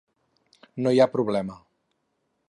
No hi ha problema.